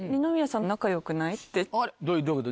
どういうこと？